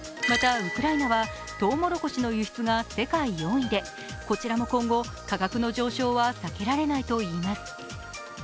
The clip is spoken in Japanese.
またウクライナはとうもろこしの輸出が世界４位でこちらも今後、価格の上昇は避けられないといいます。